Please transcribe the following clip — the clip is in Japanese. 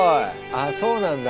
あっそうなんだ。